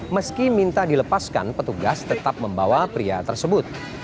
meski minta dilepaskan petugas tetap membawa pria tersebut